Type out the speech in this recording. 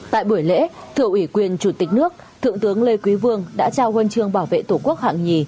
tại buổi lễ thưa ủy quyền chủ tịch nước thượng tướng lê quý vương đã trao huân chương bảo vệ tổ quốc hạng nhì